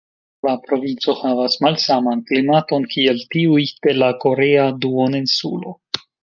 La provinco havas malsaman klimaton kiel tiuj de la korea duoninsulo.